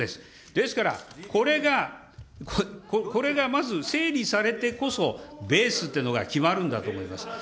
ですからこれが、これがまず整理されてこそ、ベースというのが決まるんだと思います。